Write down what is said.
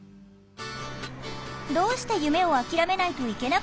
どうして夢を諦めないといけなかったのか。